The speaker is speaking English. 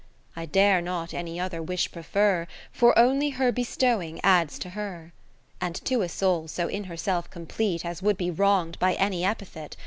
I dare not any other wish prefer, 39 For only her bestowing adds to her. And to a soul so in herself complete As would be wrong'd by any epithet.